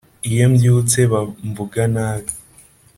iyo mbyutse bamvuga nabi